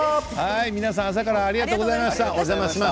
皆さん、朝からありがとうございました。